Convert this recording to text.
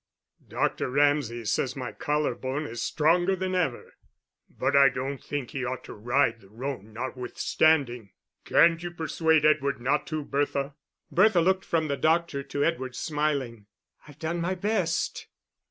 "Dr. Ramsay says my collar bone is stronger than ever." "But I don't think he ought to ride the roan notwithstanding. Can't you persuade Edward not to, Bertha?" Bertha looked from the doctor to Edward, smiling. "I've done my best."